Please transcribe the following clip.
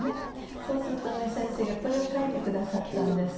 そうするとね先生がこれを書いて下さったんです。